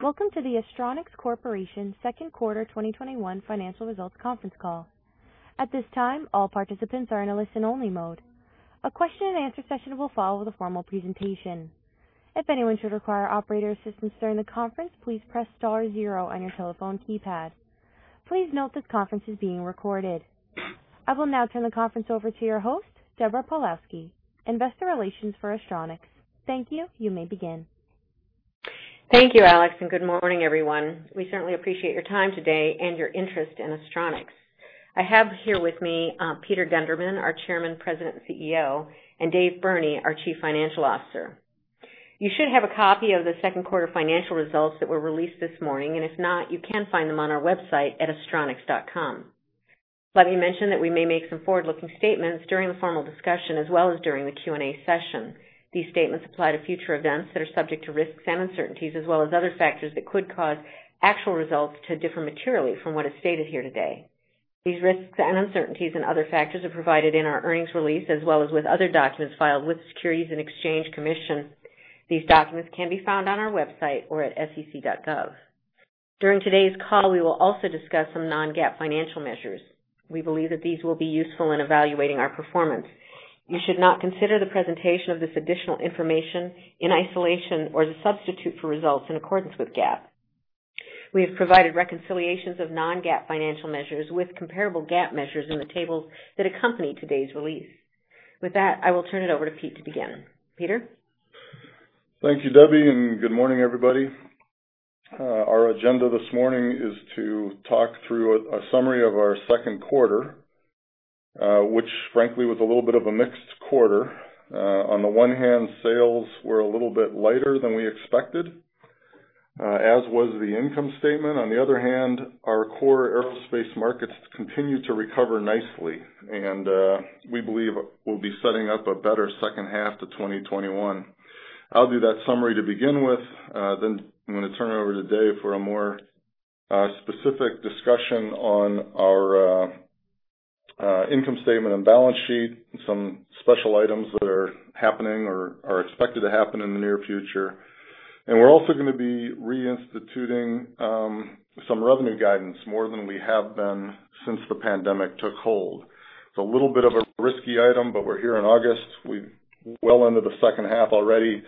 Welcome to the Astronics Corporation second quarter 2021 financial results conference call. At this time, all participants are in a listen only mode. A question and answer session will follow the formal presentation. If anyone should require operator assistance during the conference, please press star zero on your telephone keypad. Please note this conference is being recorded. I will now turn the conference over to your host, Deborah Pawlowski, investor relations for Astronics. Thank you. You may begin. Thank you, Alex. Good morning, everyone. We certainly appreciate your time today and your interest in Astronics. I have here with me Peter Gundermann, our Chairman, President and Chief Executive Officer, and Dave Burney, our Chief Financial Officer. You should have a copy of the second quarter financial results that were released this morning. If not, you can find them on our website at astronics.com. Let me mention that we may make some forward-looking statements during the formal discussion as well as during the Q&A session. These statements apply to future events that are subject to risks and uncertainties, as well as other factors that could cause actual results to differ materially from what is stated here today. These risks and uncertainties and other factors are provided in our earnings release as well as with other documents filed with Securities and Exchange Commission. These documents can be found on our website or at sec.gov. During today's call, we will also discuss some non-GAAP financial measures. We believe that these will be useful in evaluating our performance. You should not consider the presentation of this additional information in isolation or as a substitute for results in accordance with GAAP. We have provided reconciliations of non-GAAP financial measures with comparable GAAP measures in the tables that accompany today's release. With that, I will turn it over to Peter to begin. Peter? Thank you, Debbie. Good morning, everybody. Our agenda this morning is to talk through a summary of our second quarter, which frankly was a little bit of a mixed quarter. On the one hand, sales were a little bit lighter than we expected, as was the income statement. On the other hand, our core aerospace markets continue to recover nicely, and we believe we'll be setting up a better second half to 2021. I'll do that summary to begin with. I'm going to turn it over to Dave for a more specific discussion on our income statement and balance sheet and some special items that are happening or are expected to happen in the near future. We're also going to be reinstituting some revenue guidance, more than we have been since the pandemic took hold. It's a little bit of a risky item, but we're here in August. We're well into the second half already.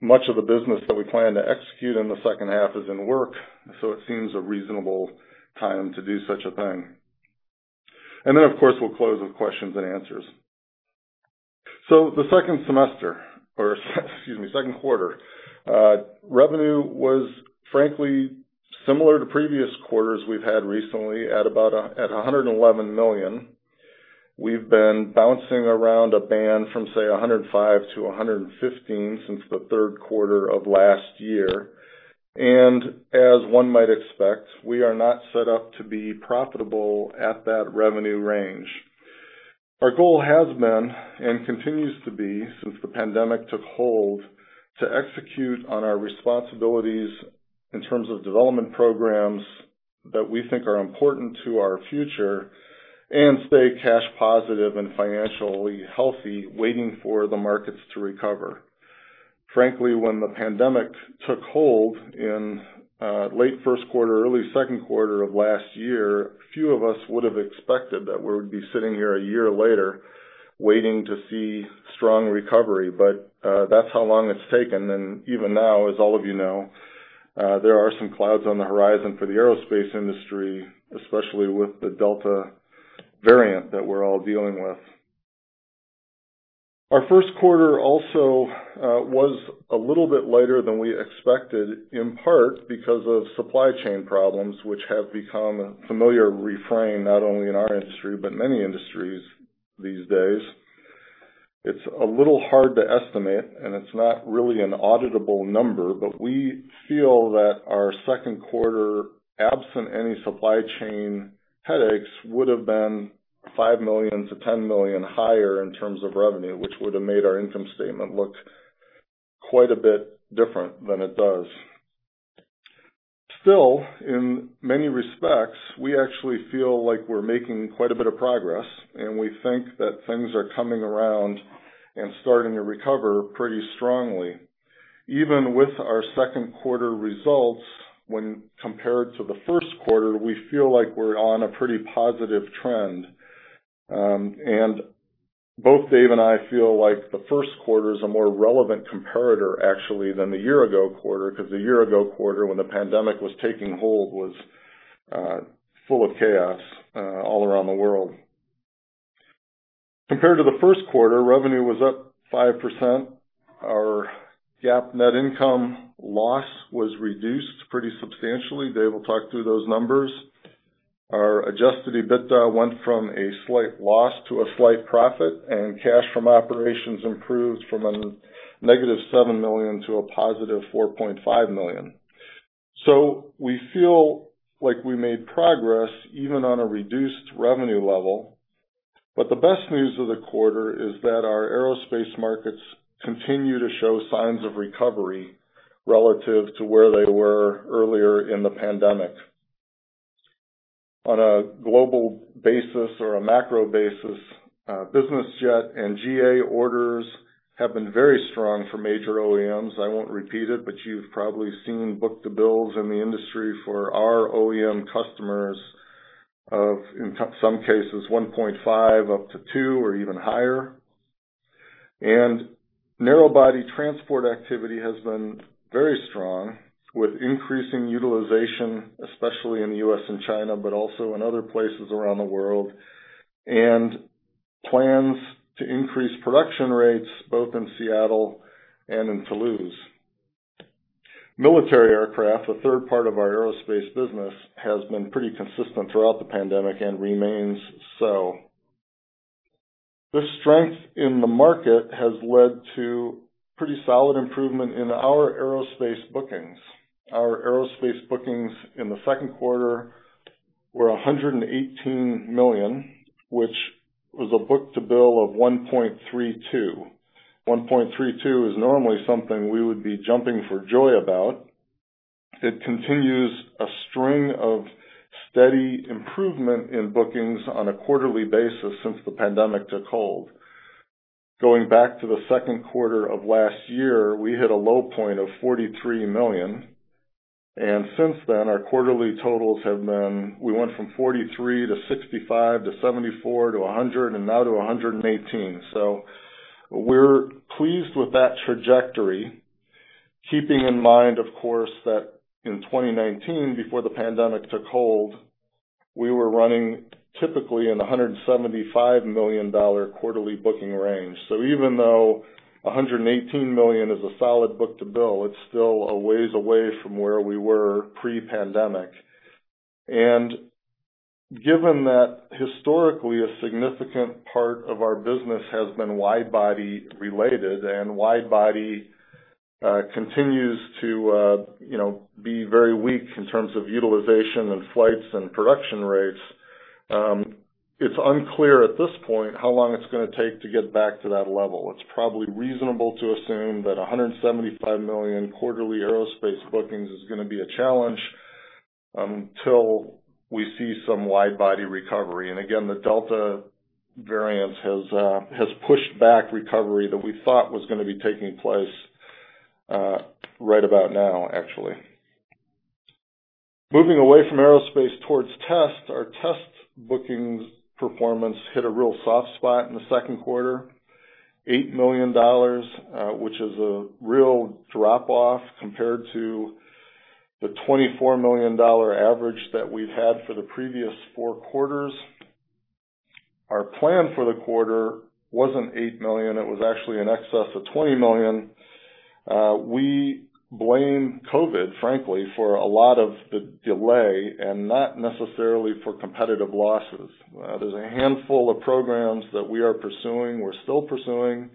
Much of the business that we plan to execute in the second half is in the works, so it seems a reasonable time to do such a thing. Of course, we'll close with questions and answers. The second semester or, excuse me, second quarter, revenue was frankly similar to previous quarters we've had recently at $111 million. We've been bouncing around a band from, say, $105 million-$115 million since the third quarter of last year. As one might expect, we are not set up to be profitable at that revenue range. Our goal has been, and continues to be since the pandemic took hold, to execute on our responsibilities in terms of development programs that we think are important to our future and stay cash positive and financially healthy, waiting for the markets to recover. When the pandemic took hold in late first quarter, early second quarter of last year, few of us would have expected that we would be sitting here a year later waiting to see strong recovery. That is how long it's taken. Even now, as all of you know, there are some clouds on the horizon for the aerospace industry, especially with the Delta variant that we're all dealing with. Our first quarter also was a little bit lighter than we expected, in part because of supply chain problems, which have become a familiar refrain, not only in our industry, but many industries these days. It's a little hard to estimate, and it's not really an auditable number, but we feel that our second quarter, absent any supply chain headaches, would have been $5 million-$10 million higher in terms of revenue, which would have made our income statement look quite a bit different than it does. Still, in many respects, we actually feel like we're making quite a bit of progress, and we think that things are coming around and starting to recover pretty strongly. Even with our second quarter results, when compared to the first quarter, we feel like we're on a pretty positive trend. Both Dave and I feel like the first quarter is a more relevant comparator, actually, than the year-ago quarter, because the year-ago quarter, when the pandemic was taking hold, was full of chaos all around the world. Compared to the first quarter, revenue was up 5%. Our GAAP net income loss was reduced pretty substantially. Dave will talk through those numbers. Our Adjusted EBITDA went from a slight loss to a slight profit. Cash from operations improved from a -$7 million to a +$4.5 million. We feel like we made progress, even on a reduced revenue level. The best news of the quarter is that our aerospace markets continue to show signs of recovery relative to where they were earlier in the pandemic. On a global basis or a macro basis, business jet and GA orders have been very strong for major OEMs. I won't repeat it, but you've probably seen book-to-bills in the industry for our OEM customers of, in some cases, 1.5 up to two or even higher. Narrow body transport activity has been very strong, with increasing utilization, especially in the U.S. and China, but also in other places around the world, and plans to increase production rates both in Seattle and in Toulouse. Military aircraft, the third part of our aerospace business, has been pretty consistent throughout the pandemic and remains so. This strength in the market has led to pretty solid improvement in our aerospace bookings. Our aerospace bookings in the second quarter were $118 million, which was a book-to-bill of 1.32. 1.32 is normally something we would be jumping for joy about. It continues a string of steady improvement in bookings on a quarterly basis since the pandemic took hold. Going back to the second quarter of last year, we hit a low point of $43 million, and since then, our quarterly totals have been, we went from $43 million-$65 million-$74 million-$100 million, and now to $118 million. We're pleased with that trajectory. Keeping in mind, of course, that in 2019, before the pandemic took hold, we were running typically in the $175 million quarterly booking range. Even though $118 million is a solid book-to-bill, it's still a ways away from where we were pre-pandemic. Given that historically a significant part of our business has been wide-body related, and wide-body continues to be very weak in terms of utilization and flights and production rates, it's unclear at this point how long it's going to take to get back to that level. It's probably reasonable to assume that $175 million quarterly aerospace bookings is going to be a challenge until we see some wide body recovery. Again, the Delta variant has pushed back recovery that we thought was going to be taking place right about now, actually. Moving away from aerospace towards test, our test bookings performance hit a real soft spot in the second quarter, $8 million, which is a real drop-off compared to the $24 million average that we've had for the previous four quarters. Our plan for the quarter wasn't $8 million, it was actually in excess of $20 million. We blame COVID, frankly, for a lot of the delay not necessarily for competitive losses. There's a handful of programs that we are pursuing, we're still pursuing.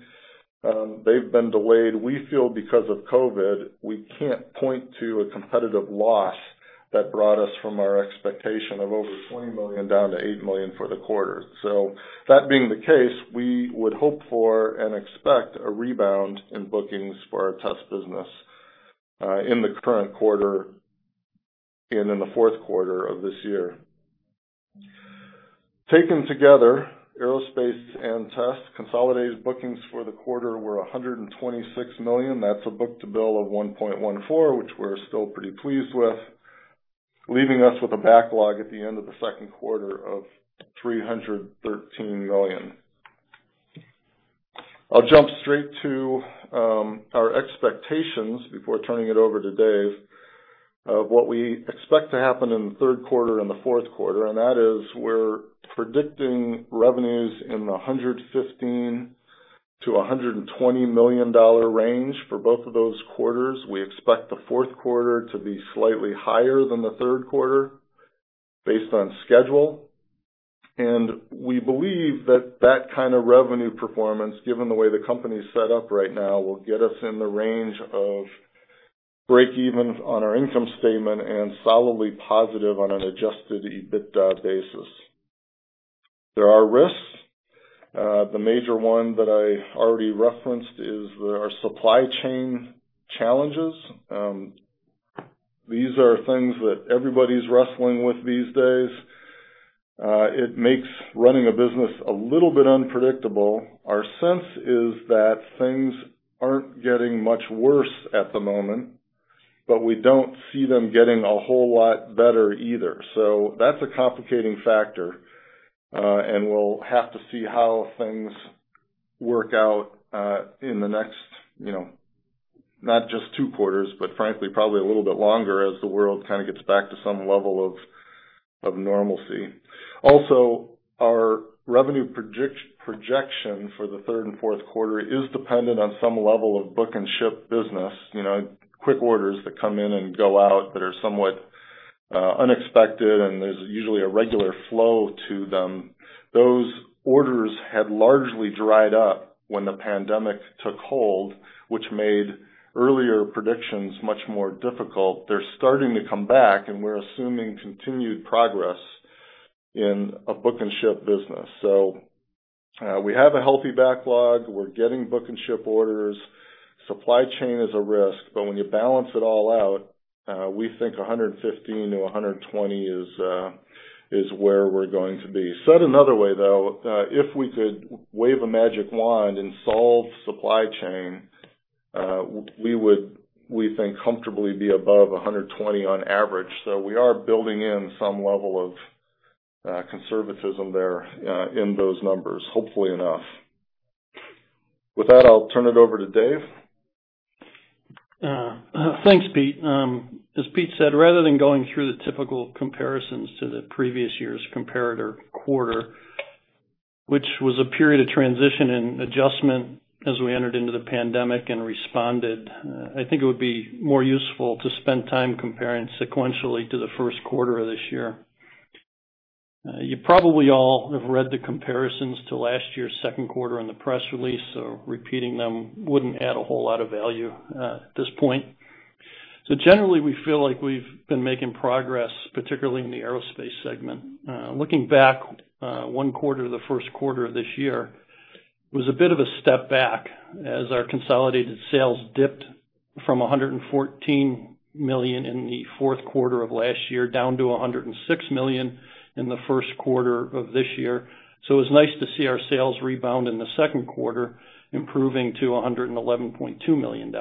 They've been delayed. We feel because of COVID, we can't point to a competitive loss that brought us from our expectation of over $20 million down to $8 million for the quarter. That being the case, we would hope for and expect a rebound in bookings for our test business, in the current quarter and in the fourth quarter of this year. Taken together, aerospace and test consolidated bookings for the quarter were $126 million. That's a book-to-bill of 1.14, which we're still pretty pleased with, leaving us with a backlog at the end of the second quarter of $313 million. I'll jump straight to our expectations before turning it over to Dave of what we expect to happen in the third quarter and the fourth quarter, and that is we're predicting revenues in the $115 million-$120 million range for both of those quarters. We expect the fourth quarter to be slightly higher than the third quarter based on schedule. We believe that that kind of revenue performance, given the way the company's set up right now, will get us in the range of breakeven on our income statement and solidly positive on an Adjusted EBITDA basis. There are risks. The major one that I already referenced is our supply chain challenges. These are things that everybody's wrestling with these days. It makes running a business a little bit unpredictable. Our sense is that things aren't getting much worse at the moment, but we don't see them getting a whole lot better either. That's a complicating factor. We'll have to see how things work out in the next, not just two quarters, but frankly, probably a little bit longer as the world kind of gets back to some level of normalcy. Our revenue projection for the third and fourth quarter is dependent on some level of book and ship business. Quick orders that come in and go out that are somewhat unexpected and there's usually a regular flow to them. Those orders had largely dried up when the pandemic took hold, which made earlier predictions much more difficult. They're starting to come back and we're assuming continued progress in a book and ship business. We have a healthy backlog. We're getting book and ship orders. Supply chain is a risk, when you balance it all out, we think $115 million-$120 million is where we're going to be. Said another way, though, if we could wave a magic wand and solve supply chain, we think we would comfortably be above $120 million on average. We are building in some level of conservatism there in those numbers, hopefully enough. With that, I'll turn it over to Dave. Thanks, Peter. As Peter said, rather than going through the typical comparisons to the previous year's comparator quarter, which was a period of transition and adjustment as we entered into the pandemic and responded, I think it would be more useful to spend time comparing sequentially to the first quarter of this year. You probably all have read the comparisons to last year's second quarter in the press release, repeating them wouldn't add a whole lot of value at this point. Generally, we feel like we've been making progress, particularly in the aerospace segment. Looking back, one quarter to the first quarter of this year was a bit of a step back as our consolidated sales dipped from $114 million in the fourth quarter of last year down to $106 million in the first quarter of this year. It was nice to see our sales rebound in the second quarter, improving to $111.2 million.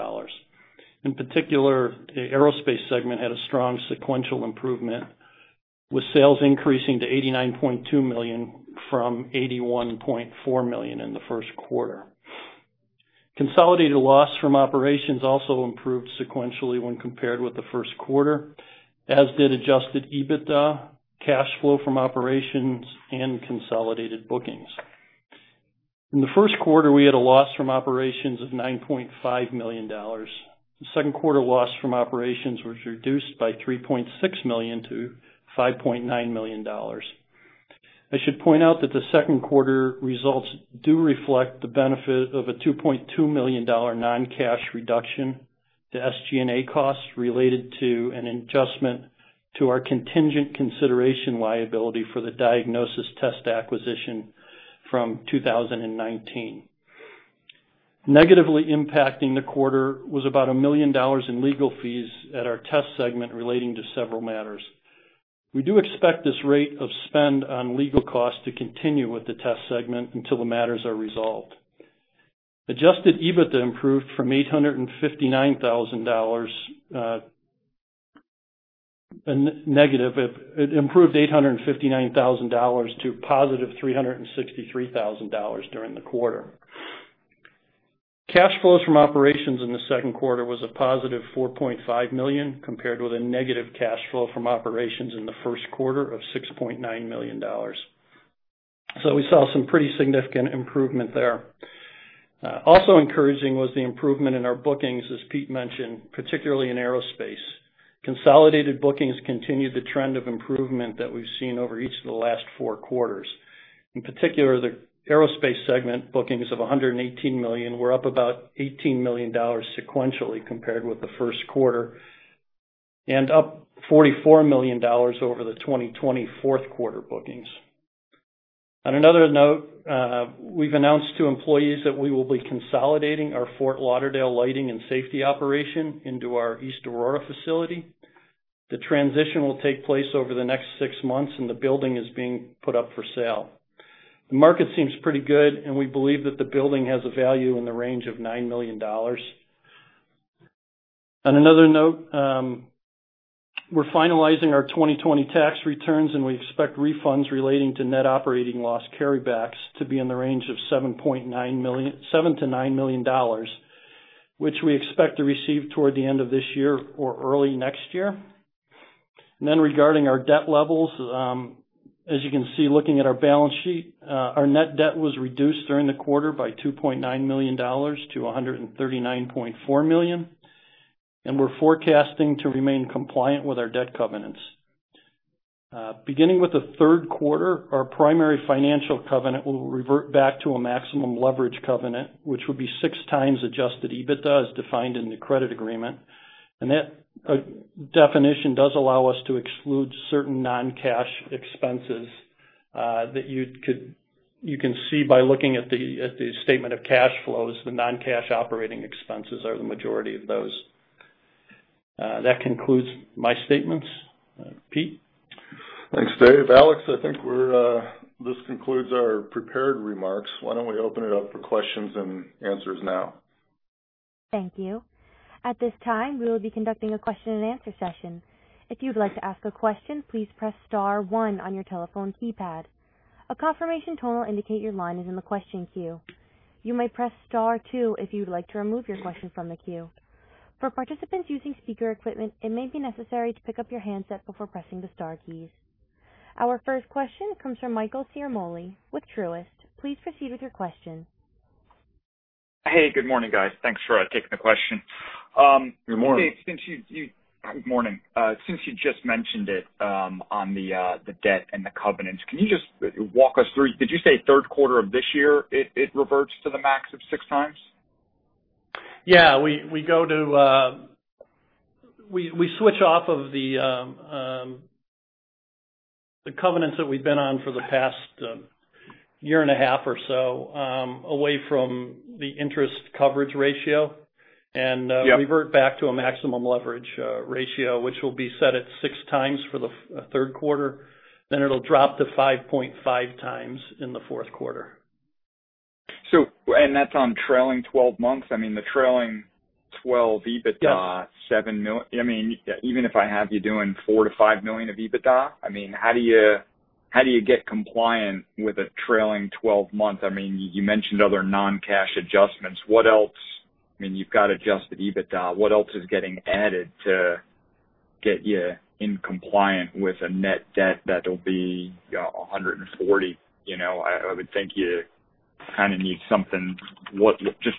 In particular, the aerospace segment had a strong sequential improvement, with sales increasing to $89.2 million from $81.4 million in the first quarter. Consolidated loss from operations also improved sequentially when compared with the first quarter, as did Adjusted EBITDA, cash flow from operations, and consolidated bookings. In the first quarter, we had a loss from operations of $9.5 million. The second quarter loss from operations was reduced by $3.6 million-$5.9 million. I should point out that the second quarter results do reflect the benefit of a $2.2 million non-cash reduction to SG&A costs related to an adjustment to our contingent consideration liability for the Diagnosys Test acquisition from 2019. Negatively impacting the quarter was about $1 million in legal fees at our test segment relating to several matters. We do expect this rate of spend on legal costs to continue with the test segment until the matters are resolved. Adjusted EBITDA improved from -$859,000. It improved -$859,000 to +$363,000 during the quarter. Cash flows from operations in the second quarter was a +$4.5 million, compared with a negative cash flow from operations in the first quarter of -$6.9 million. We saw some pretty significant improvement there. Also encouraging was the improvement in our bookings, as Peter mentioned, particularly in aerospace. Consolidated bookings continued the trend of improvement that we've seen over each of the last four quarters. In particular, the aerospace segment bookings of $118 million were up about $18 million sequentially compared with the first quarter, and up $44 million over the 2020 fourth quarter bookings. On another note, we've announced to employees that we will be consolidating our Fort Lauderdale lighting and safety operation into our East Aurora facility. The transition will take place over the next six months, and the building is being put up for sale. The market seems pretty good, and we believe that the building has a value in the range of $9 million. On another note, we're finalizing our 2020 tax returns, and we expect refunds relating to net operating loss carrybacks to be in the range of $7 million-$9 million, which we expect to receive toward the end of this year or early next year. Regarding our debt levels, as you can see looking at our balance sheet, our net debt was reduced during the quarter by $2.9 million-$139.4 million, and we're forecasting to remain compliant with our debt covenants. Beginning with the third quarter, our primary financial covenant will revert back to a maximum leverage covenant, which would be 6x Adjusted EBITDA as defined in the credit agreement. That definition does allow us to exclude certain non-cash expenses that you can see by looking at the statement of cash flows. The non-cash operating expenses are the majority of those. That concludes my statements. Peter? Thanks, Dave. Alex, I think this concludes our prepared remarks. Why don't we open it up for questions and answers now? Thank you. At this time, we will be conducting a question and answer session. If you would like to ask a question, please press star one on your telephone keypad. A confirmation tone will indicate your line is in the question queue. You may press star two if you would like to remove question from the queue. For participants using speaker equipments, it may be necessary to pick up your handset before pressing the star keys. Our first question comes from Michael Ciarmoli with Truist. Please proceed with your question. Hey, good morning, guys. Thanks for taking the question. Good morning. Morning. Since you just mentioned it on the debt and the covenants, can you just walk us through? Did you say third quarter of this year it reverts to the max of 6x? Yeah, we switch off of the covenants that we've been on for the past year and a half or so, away from the interest coverage ratio. Yeah. Revert back to a maximum leverage ratio, which will be set at 6x for the third quarter, then it'll drop to 5.5x in the fourth quarter. That's on trailing 12 months? I mean, the trailing 12 EBITDA- Yes. $7 million. Even if I have you doing $4 million-$5 million of EBITDA, how do you get compliant with a trailing 12 month? You mentioned other non-cash adjustments. You've got Adjusted EBITDA. What else is getting added to get you in compliant with a net debt that'll be $140? I would think you kind of need something.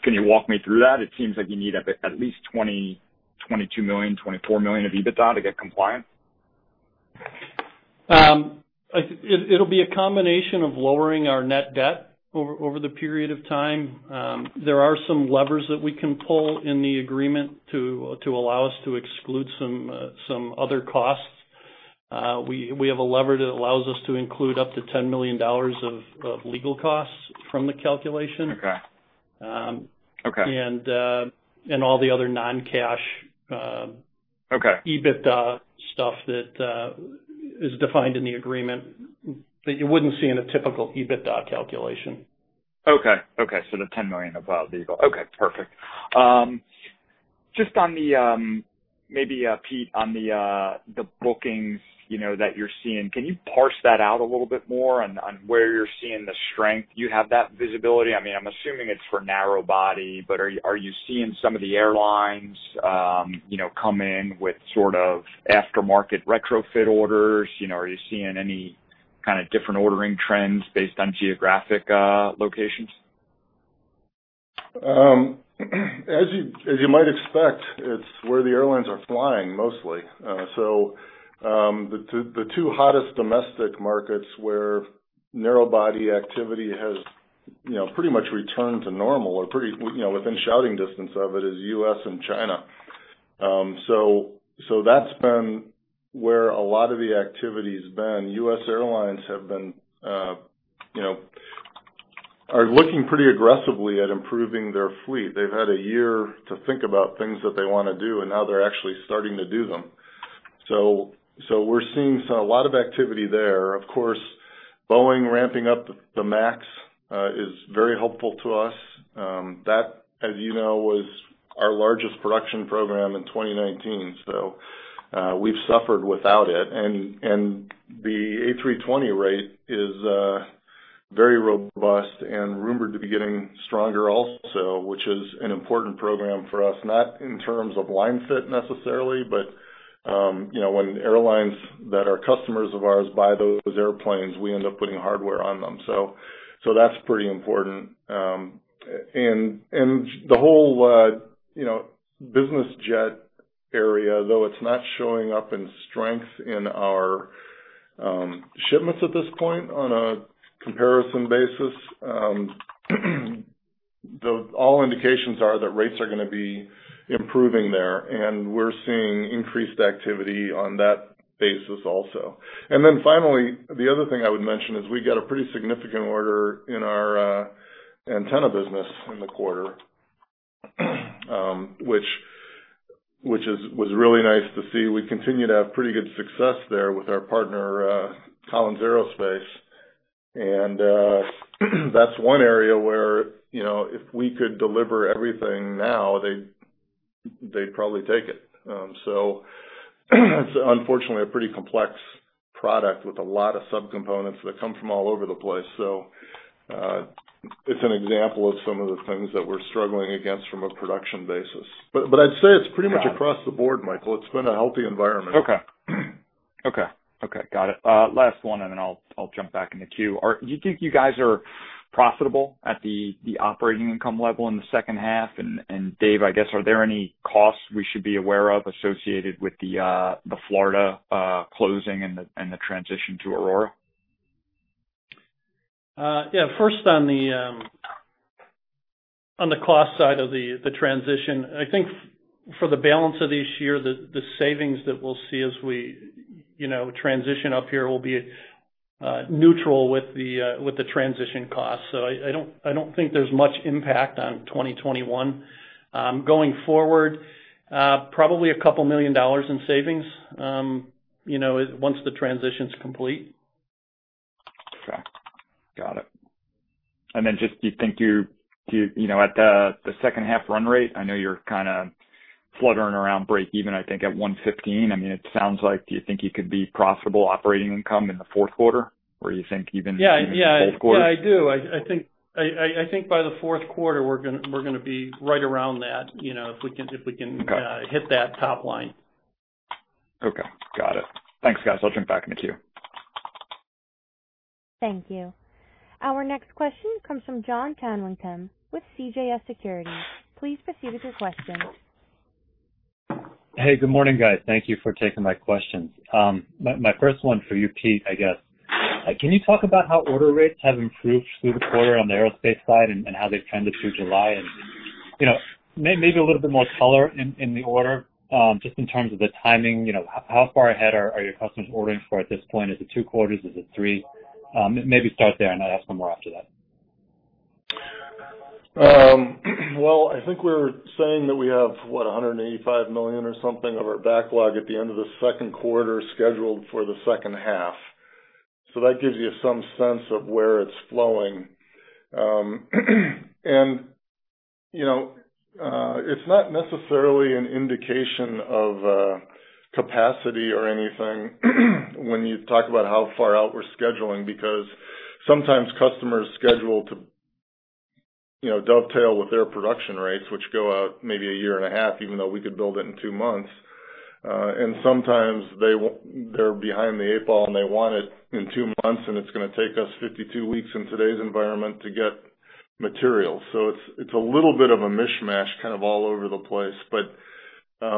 Can you walk me through that? It seems like you need at least $20 million, $22 million, $24 million of EBITDA to get compliant. It'll be a combination of lowering our net debt over the period of time. There are some levers that we can pull in the agreement to allow us to exclude some other costs. We have a lever that allows us to include up to $10 million of legal costs from the calculation. Okay. All the other non-cash. Okay. EBITDA stuff that is defined in the agreement that you wouldn't see in a typical EBITDA calculation. Okay. The $10 million of legal. Okay, perfect. Maybe, Peter, on the bookings that you're seeing, can you parse that out a little bit more on where you're seeing the strength? Do you have that visibility? I'm assuming it's for narrow-body, but are you seeing some of the airlines come in with sort of aftermarket retrofit orders? Are you seeing any kind of different ordering trends based on geographic locations? As you might expect, it's where the airlines are flying mostly. The two hottest domestic markets where narrow body activity has pretty much returned to normal or within shouting distance of it is U.S. and China. That's been where a lot of the activity's been. U.S. airlines are looking pretty aggressively at improving their fleet. They've had a year to think about things that they want to do, and now they're actually starting to do them. We're seeing a lot of activity there. Of course, Boeing ramping up the MAX is very helpful to us. That, as you know, was our largest production program in 2019, so we've suffered without it. The A320 rate is very robust and rumored to be getting stronger also, which is an important program for us, not in terms of line-fit necessarily, but when airlines that are customers of ours buy those airplanes, we end up putting hardware on them. That's pretty important. The whole business jet area, though it's not showing up in strength in our shipments at this point on a comparison basis, all indications are that rates are going to be improving there, and we're seeing increased activity on that basis also. Finally, the other thing I would mention is we got a pretty significant order in our antenna business in the quarter, which was really nice to see. We continue to have pretty good success there with our partner, Collins Aerospace. That's one area where, if we could deliver everything now, they'd probably take it. It's unfortunately a pretty complex product with a lot of sub-components that come from all over the place. It's an example of some of the things that we're struggling against from a production basis. I'd say it's pretty much across the board, Michael. It's been a healthy environment. Okay. Got it. Last one, then I'll jump back in the queue. Do you think you guys are profitable at the operating income level in the second half? Dave, I guess, are there any costs we should be aware of associated with the Florida closing and the transition to Aurora? First, on the cost side of the transition, I think for the balance of this year, the savings that we'll see as we transition up here will be neutral with the transition cost. I don't think there's much impact on 2021. Going forward, probably a couple million dollars in savings once the transition's complete. Okay. Got it. Do you think at the second half run rate, I know you're kind of fluttering around breakeven, I think, at $115. Do you think you could be profitable operating income in the fourth quarter, or you think even in the fourth quarter? Yeah, I do. I think by the fourth quarter, we're going to be right around that if we can hit that top line. Okay. Got it. Thanks, guys. I'll jump back in the queue. Thank you. Our next question comes from Jon Tanwanteng with CJS Securities. Please proceed with your question. Hey, good morning, guys. Thank you for taking my questions. My first one for you, Peter, I guess. Can you talk about how order rates have improved through the quarter on the aerospace side and how they've trended through July? Maybe a little bit more color in the order, just in terms of the timing, how far ahead are your customers ordering for at this point? Is it two quarters? Is it three? Maybe start there, and I'll ask some more after that. Well, I think we were saying that we have, what, $185 million or something of our backlog at the end of the second quarter scheduled for the second half. That gives you some sense of where it's flowing. It's not necessarily an indication of capacity or anything when you talk about how far out we're scheduling, because sometimes customers schedule to dovetail with their production rates, which go out maybe a year and a half, even though we could build it in two months. Sometimes they're behind the eight ball, and they want it in two months, and it's going to take us 52 weeks in today's environment to get materials. It's a little bit of a mishmash kind of all over the place. While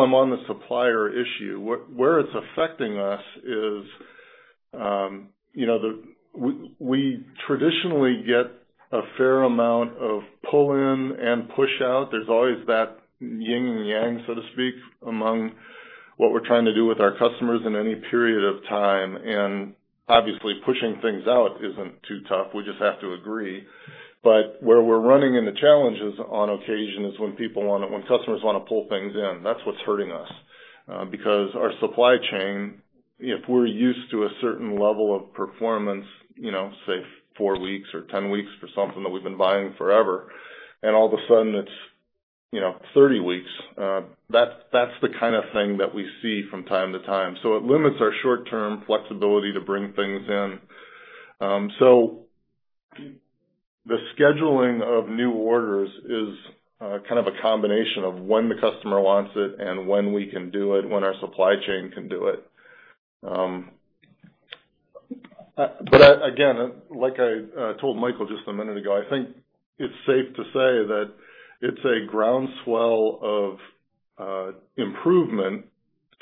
I'm on the supplier issue, where it's affecting us is we traditionally get a fair amount of pull in and push out. There's always that yin and yang, so to speak, among what we're trying to do with our customers in any period of time. Obviously, pushing things out isn't too tough. We just have to agree. Where we're running into challenges on occasion is when customers want to pull things in. That's what's hurting us. Because our supply chain, if we're used to a certain level of performance, say, four weeks or 10 weeks for something that we've been buying forever, and all of a sudden it's 30 weeks, that's the kind of thing that we see from time to time. It limits our short-term flexibility to bring things in. The scheduling of new orders is kind of a combination of when the customer wants it and when we can do it, when our supply chain can do it. Again, like I told Michael just a minute ago, I think it's safe to say that it's a groundswell of improvement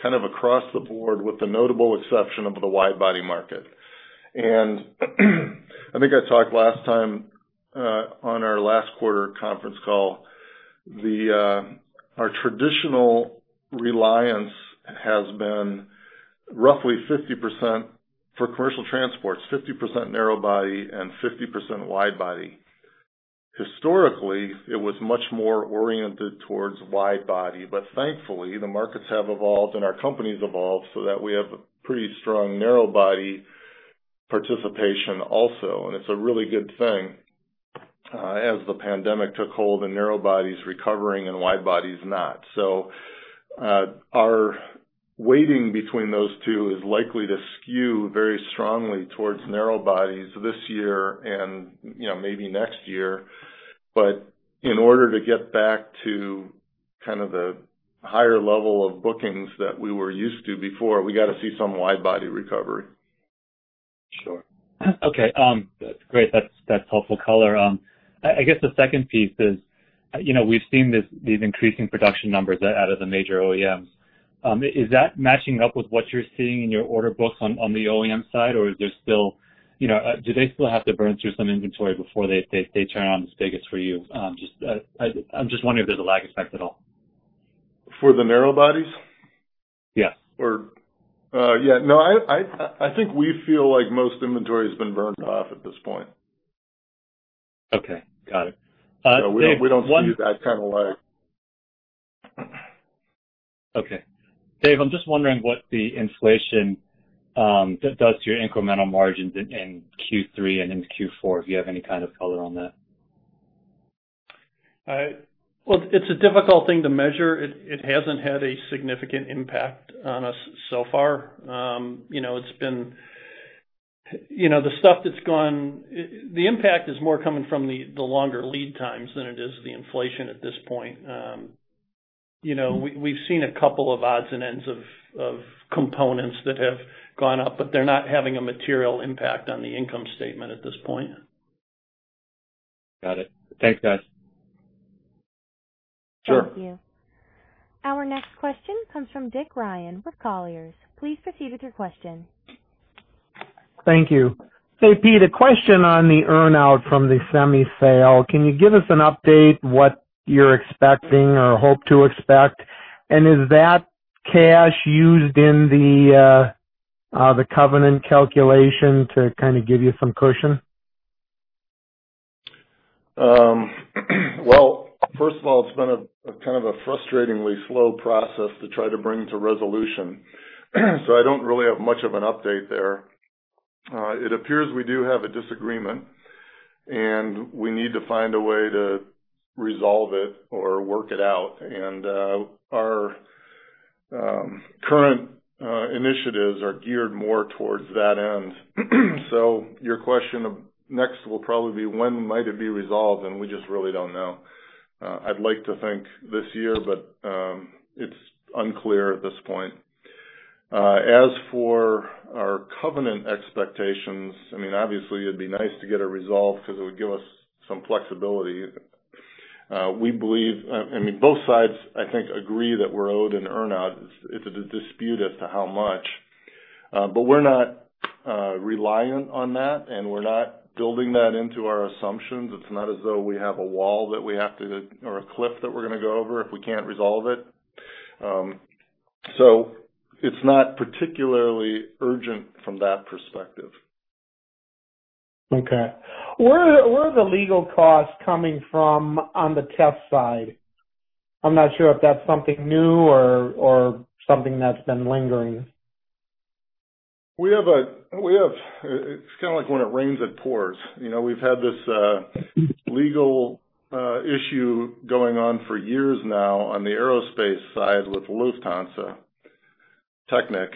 kind of across the board, with the notable exception of the wide-body market. I think I talked last time on our last quarter conference call, our traditional reliance has been roughly 50%, for commercial transports, 50% narrow-body and 50% wide-body. Historically, it was much more oriented towards wide-body, but thankfully, the markets have evolved and our company's evolved so that we have a pretty strong narrow-body participation also. It's a really good thing. As the pandemic took hold, the narrow-body's recovering and the wide-body's not. Our weighting between those two is likely to skew very strongly towards narrow bodies this year and maybe next year. In order to get back to kind of the higher level of bookings that we were used to before, we got to see some wide body recovery. Sure. Okay. That's great. That's helpful color. I guess the second piece is, we've seen these increasing production numbers out of the major OEMs. Is that matching up with what you're seeing in your order books on the OEM side, or do they still have to burn through some inventory before they turn on the spigots for you? I'm just wondering if there's a lag effect at all. For the narrow bodies? Yeah. Yeah. No, I think we feel like most inventory has been burned off at this point. Okay. Got it. We don't see that kind of lag. Okay. Dave, I'm just wondering what the inflation does to your incremental margins in Q3 and into Q4, if you have any kind of color on that. Well, it's a difficult thing to measure. It hasn't had a significant impact on us so far. The impact is more coming from the longer lead times than it is the inflation at this point. We've seen a couple of odds and ends of components that have gone up, but they're not having a material impact on the income statement at this point. Got it. Thanks, guys. Sure. Thank you. Our next question comes from Dick Ryan with Colliers. Please proceed with your question. Thank you. Hey, Peter, a question on the earn out from the semi sale. Can you give us an update what you're expecting or hope to expect? Is that cash used in the covenant calculation to kind of give you some cushion? First of all, it's been kind of a frustratingly slow process to try to bring to resolution, so I don't really have much of an update there. It appears we do have a disagreement, and we need to find a way to resolve it or work it out, and our current initiatives are geared more towards that end. Your question next will probably be when might it be resolved? We just really don't know. I'd like to think this year, but it's unclear at this point. As for our covenant expectations, obviously, it'd be nice to get it resolved because it would give us some flexibility. Both sides, I think, agree that we're owed an earn-out. It's a dispute as to how much. We're not reliant on that, and we're not building that into our assumptions. It's not as though we have a wall that we have to, or a cliff that we're going to go over if we can't resolve it. It's not particularly urgent from that perspective. Okay. Where are the legal costs coming from on the test side? I'm not sure if that's something new or something that's been lingering. It's kind of like when it rains, it pours. We've had this legal issue going on for years now on the aerospace side with Lufthansa Technik.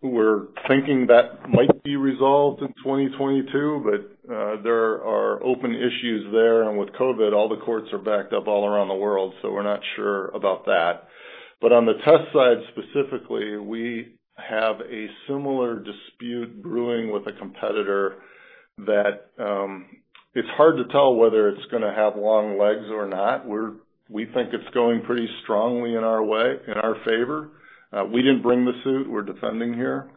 We're thinking that might be resolved in 2022, but there are open issues there, with COVID, all the courts are backed up all around the world, we're not sure about that. On the test side specifically, we have a similar dispute brewing with a competitor that it's hard to tell whether it's going to have long legs or not. We think it's going pretty strongly in our way, in our favor. We didn't bring the suit. We're defending here.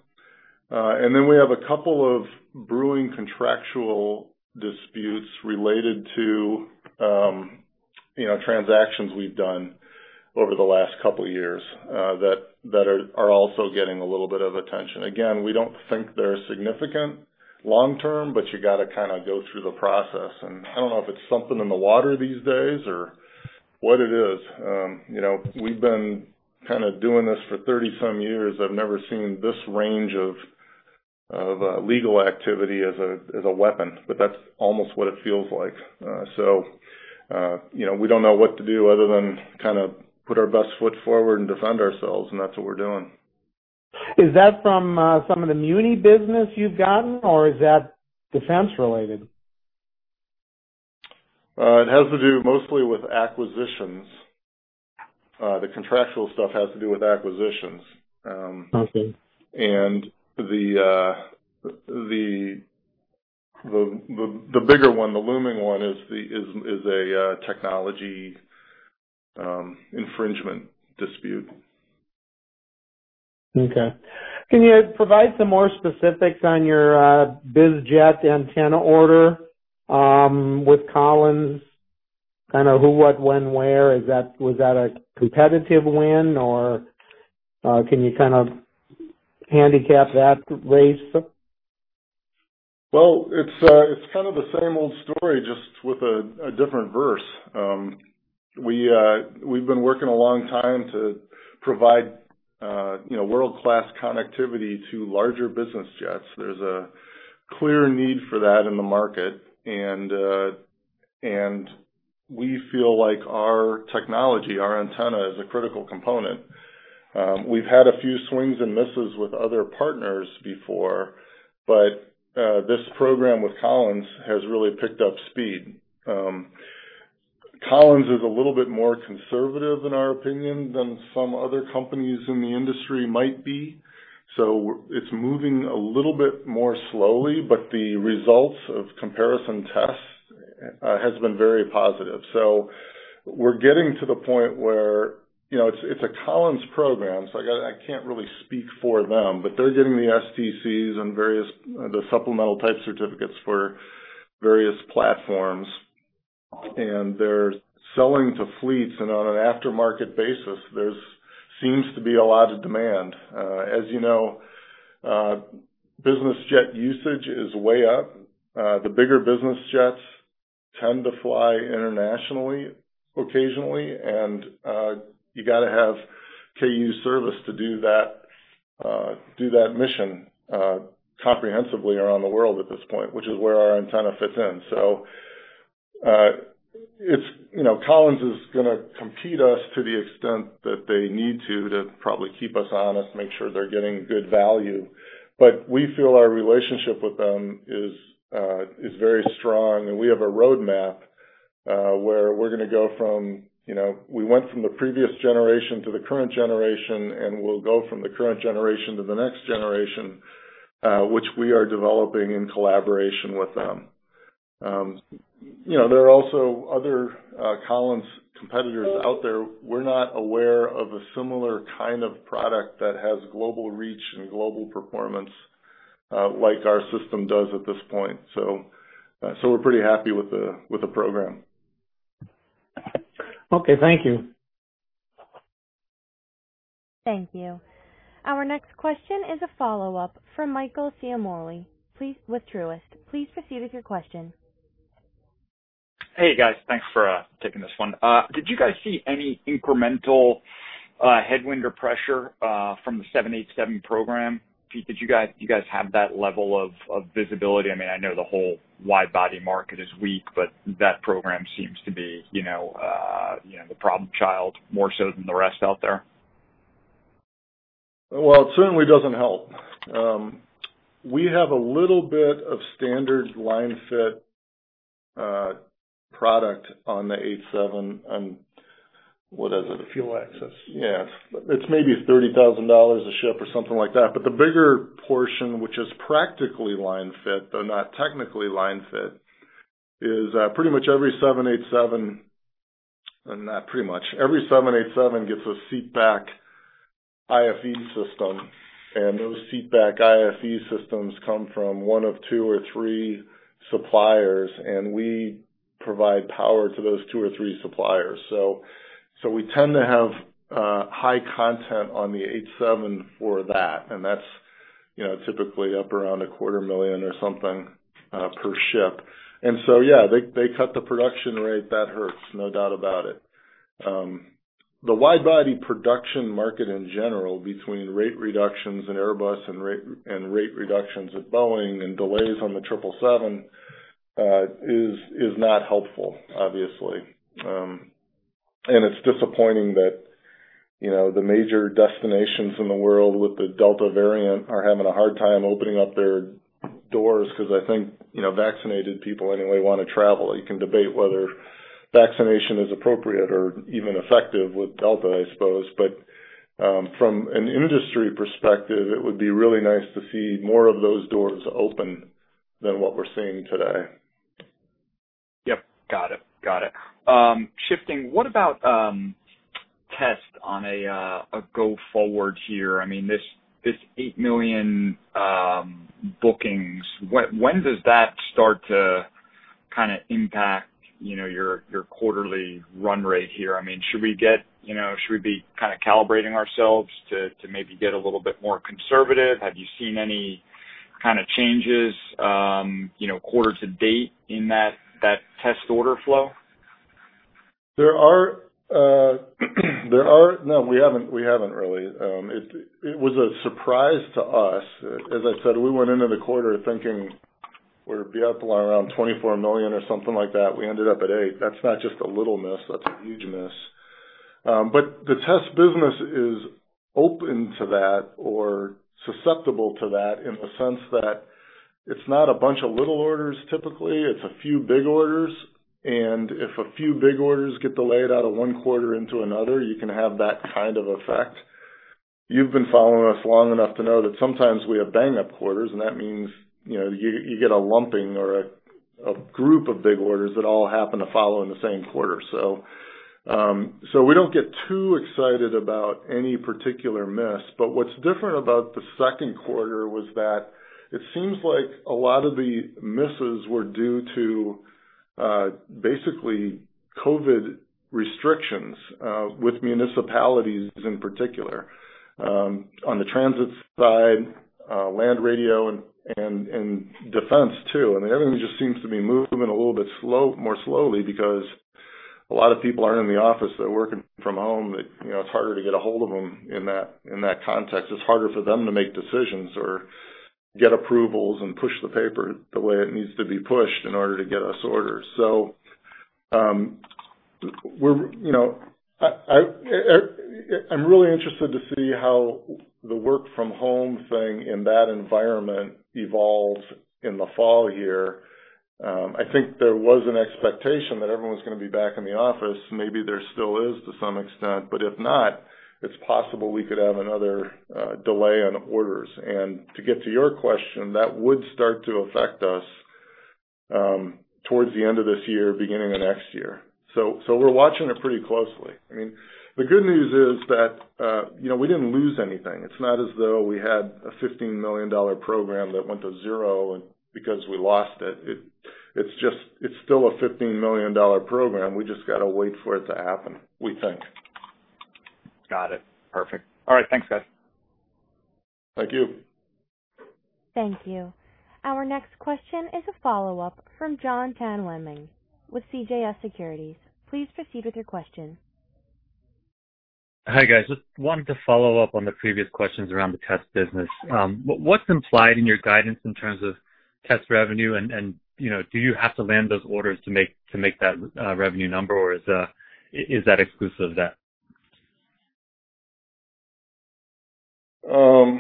Then we have a couple of brewing contractual disputes related to transactions we've done over the last couple of years that are also getting a little bit of attention. Again, we don't think they're significant long-term, but you got to kind of go through the process, and I don't know if it's something in the water these days or what it is. We've been kind of doing this for 30-some years. I've never seen this range of legal activity as a weapon, but that's almost what it feels like. We don't know what to do other than kind of put our best foot forward and defend ourselves, and that's what we're doing. Is that from some of the muni business you've gotten, or is that defense related? It has to do mostly with acquisitions. The contractual stuff has to do with acquisitions. Okay. The bigger one, the looming one is a technology infringement dispute. Okay. Can you provide some more specifics on your biz jet antenna order with Collins? Kind of who, what, when, where? Was that a competitive win, or can you kind of handicap that race? It's kind of the same old story, just with a different verse. We've been working a long time to provide world-class connectivity to larger business jets. There's a clear need for that in the market, and we feel like our technology, our antenna, is a critical component. We've had a few swings and misses with other partners before, but this program with Collins has really picked up speed. Collins is a little bit more conservative, in our opinion, than some other companies in the industry might be. It's moving a little bit more slowly, but the results of comparison tests has been very positive. We're getting to the point where it's a Collins program, so I can't really speak for them, but they're getting the STCs and the supplemental type certificates for various platforms, and they're selling to fleets and on an aftermarket basis. There seems to be a lot of demand. As you know, business jet usage is way up. The bigger business jets tend to fly internationally occasionally, and you got to have Ku service to do that mission comprehensively around the world at this point, which is where our antenna fits in. Collins is going to compete us to the extent that they need to probably keep us honest, make sure they're getting good value. We feel our relationship with them is very strong, and we have a roadmap where we're going to go from the previous generation to the current generation, and we'll go from the current generation to the next generation, which we are developing in collaboration with them. There are also other Collins competitors out there. We're not aware of a similar kind of product that has global reach and global performance like our system does at this point. We're pretty happy with the program. Okay. Thank you. Thank you. Our next question is a follow-up from Michael Ciarmoli with Truist. Please proceed with your question. Hey, guys. Thanks for taking this one. Did you guys see any incremental headwind or pressure from the 787 program? Did you guys have that level of visibility? I know the whole wide-body market is weak, but that program seems to be the problem child, more so than the rest out there. Well, it certainly doesn't help. We have a little bit of standard line-fit product on the 87. What is it? The fuel access. Yeah. It's maybe $30,000 a ship or something like that. The bigger portion, which is practically line-fit, but not technically line-fit, is pretty much every 787, not pretty much, every 787 gets a seatback IFE system, and those seatback IFE systems come from one of two or three suppliers, and we provide power to those two or three suppliers. We tend to have high content on the 87 for that, and that's typically up around a quarter million or something per ship. Yeah, they cut the production rate. That hurts, no doubt about it. The wide body production market in general, between rate reductions in Airbus and rate reductions at Boeing and delays on the 777, is not helpful, obviously. It's disappointing that the major destinations in the world with the Delta variant are having a hard time opening up their doors because I think vaccinated people anyway want to travel. You can debate whether vaccination is appropriate or even effective with Delta, I suppose, but from an industry perspective, it would be really nice to see more of those doors open than what we're seeing today. Yep. Got it. Shifting. What about test on a go forward here? This $8 million bookings, when does that start to kind of impact your quarterly run rate here? Should we be kind of calibrating ourselves to maybe get a little bit more conservative? Have you seen any kind of changes quarter to date in that test order flow? No, we haven't really. It was a surprise to us. As I said, we went into the quarter thinking we'd be up around $24 million or something like that. We ended up at $8 million. That's not just a little miss, that's a huge miss. The test business is open to that or susceptible to that in the sense that it's not a bunch of little orders typically, it's a few big orders, and if a few big orders get delayed out of one quarter into another, you can have that kind of effect. You've been following us long enough to know that sometimes we have bang-up quarters, and that means you get a lumping or a group of big orders that all happen to follow in the same quarter. We don't get too excited about any particular miss. What's different about the second quarter was that it seems like a lot of the misses were due to basically COVID restrictions with municipalities in particular, on the transit side, land radio and defense too. Everything just seems to be moving a little bit more slowly because a lot of people aren't in the office. They're working from home. It's harder to get a hold of them in that context. It's harder for them to make decisions or get approvals and push the paper the way it needs to be pushed in order to get us orders. I'm really interested to see how the work from home thing in that environment evolves in the fall here. I think there was an expectation that everyone was going to be back in the office. Maybe there still is to some extent, but if not, it's possible we could have another delay on orders. To get to your question, that would start to affect us towards the end of this year, beginning of next year. We're watching it pretty closely. The good news is that we didn't lose anything. It's not as though we had a $15 million program that went to zero because we lost it. It's still a $15 million program. We just got to wait for it to happen, we think. Got it. Perfect. All right, thanks, guys. Thank you. Thank you. Our next question is a follow-up from Jon Tanwanteng with CJS Securities. Please proceed with your question. Hi, guys. Just wanted to follow-up on the previous questions around the test business. What's implied in your guidance in terms of test revenue, do you have to land those orders to make that revenue number, or is that exclusive of that? We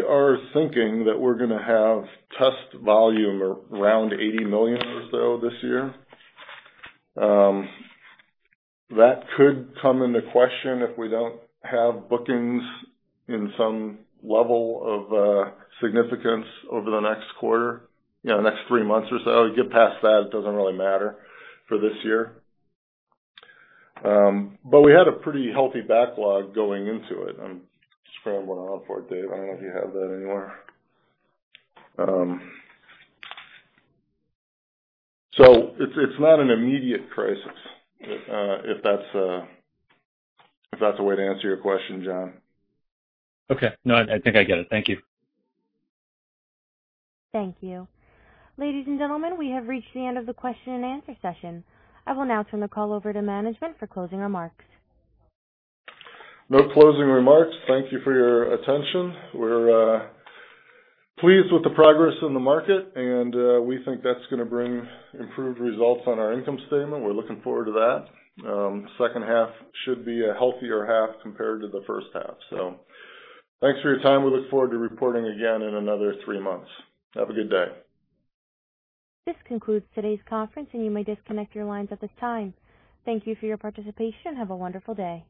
are thinking that we're going to have test volume around $80 million or so this year. That could come into question if we don't have bookings in some level of significance over the next quarter, next three months or so. Get past that, it doesn't really matter for this year. We had a pretty healthy backlog going into it. I'm scrambling around for it, Dave. I don't know if you have that anywhere. It's not an immediate crisis, if that's the way to answer your question, Jon. Okay. No, I think I get it. Thank you. Thank you. Ladies and gentlemen, we have reached the end of the question and answer session. I will now turn the call over to management for closing remarks. No closing remarks. Thank you for your attention. We're pleased with the progress in the market, and we think that's going to bring improved results on our income statement. We're looking forward to that. Second half should be a healthier half compared to the first half. Thanks for your time. We look forward to reporting again in another three months. Have a good day. This concludes today's conference, and you may disconnect your lines at this time. Thank you for your participation, and have a wonderful day.